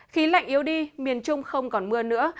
khí lạnh yếu đi miền trung không còn mưa nữa